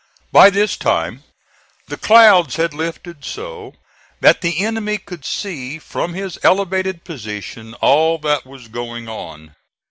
By this time the clouds had lifted so that the enemy could see from his elevated position all that was going on.